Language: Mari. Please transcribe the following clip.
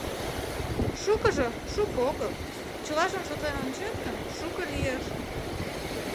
Шукыжо — шуко огыл, чылажым шотлен ончет гын, шуко лиеш.